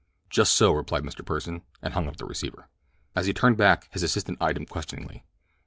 "Just so," replied Mr. Pursen, and hung up the receiver. As he turned back his assistant eyed him questioningly.